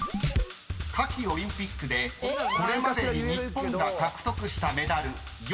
［夏季オリンピックでこれまでに日本が獲得したメダル４９７個］